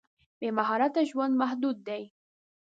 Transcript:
بې مهارت ژوند محدود دی.